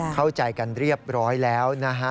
เข้าใจกันเรียบร้อยแล้วนะฮะ